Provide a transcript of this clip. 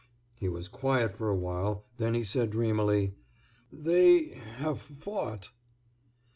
He was quiet for a while; then he said, dreamily: "They—have—fought."